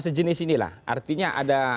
sejenis ini lah artinya ada